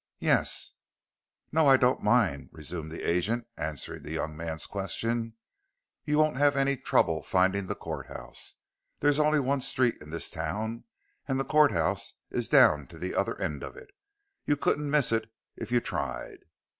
"Yes." "No, I don't mind," resumed the agent, answering the young man's question. "You won't have any trouble findin' the courthouse. There's only one street in this town an' the courthouse is down to the other end of it you couldn't miss it if you tried."